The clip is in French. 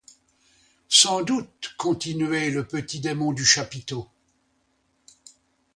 Sans doute, continuait le petit démon du chapiteau.